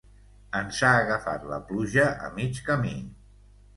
Ens ha agafat la pluja a mig camí.